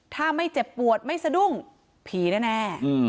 ถ้าไม่เจ็บปวดให้ไม่ซะดุ้งพีชด้วยแน่